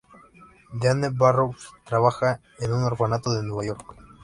Diane Barrows trabaja en un orfanato de Nueva York.